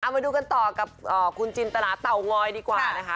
มาดูกันต่อกับคุณจินตราเตางอยดีกว่านะคะ